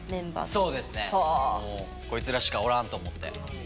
もうこいつらしかおらんと思って。